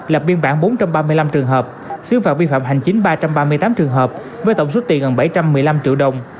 lập biên bản bốn trăm ba mươi năm trường hợp xứ phạt vi phạm hành chính ba trăm ba mươi tám trường hợp với tổng số tiền gần bảy trăm một mươi năm triệu đồng